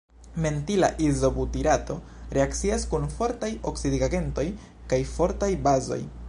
Mentila izobutirato reakcias kun fortaj oksidigagentoj kaj fortaj bazoj.